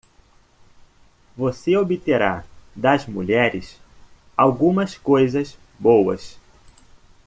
Você obterá das mulheres algumas coisas boas.